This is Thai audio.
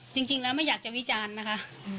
จริงแล้วไม่อยากจะวิจารณ์นะคะ